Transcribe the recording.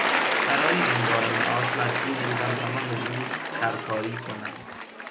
برای امرار معاش مجبور بودم تمام روز خرکاری کنم.